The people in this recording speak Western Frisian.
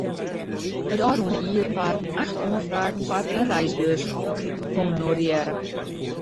It ôfrûne jier waarden acht oanfragen foar in reisbeurs honorearre.